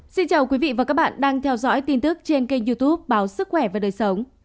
xin chào quý vị và các bạn đang theo dõi tin tức trên kênh youtube báo sức khỏe và đời sống